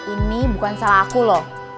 ini bukan salah aku loh